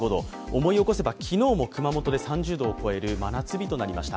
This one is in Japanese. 思い起こせば昨日も熊本で３０度を超える真夏日になりました。